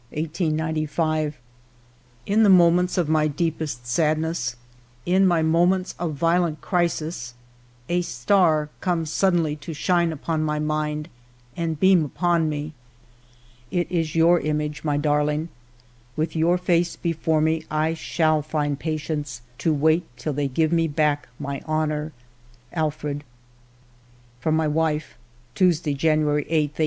"... In the mornents of my deepest sad ness, in my moments of violent crisis, a star ALFRED DREYFUS 59 comes suddenly to shine upon my mind and beam upon me. It is your image, my darling. With' your face before me, I shall find patience to wait till they give me back my honor. Alfred.'* From my wife: —Tuesday, January 8, 1895.